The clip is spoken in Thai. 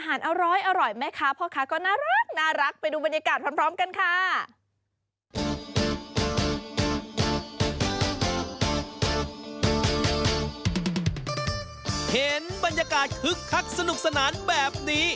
เห็นบรรยากาศคึกคักสนุกสนานแบบนี้